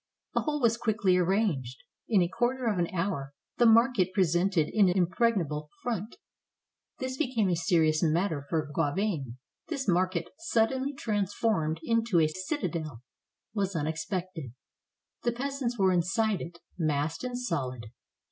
The whole was quickly arranged. In a quarter of an hour the market pre sented an impregnable front. This became a serious matter for Gauvain. This 319 FRANCE market suddenly transformed into a citadel was unex pected. The peasants were inside it, massed and solid.